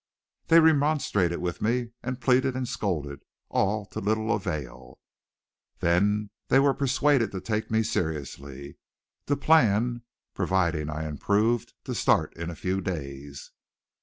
They remonstrated with me and pleaded and scolded, all to little avail. Then they were persuaded to take me seriously, to plan, providing I improved, to start in a few days.